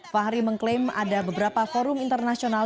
fahri mengklaim ada beberapa forum internasional